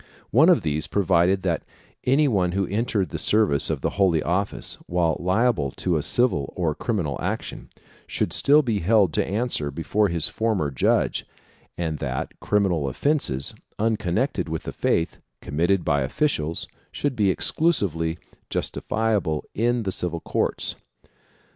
One of these provided that any one who entered the service of the Holy Office while liable to a civil or criminal action, should still be held to answer before his former judge, and that criminal offences, unconnected with the faith, committed by officials should be exclusively justiciable in the civil courts.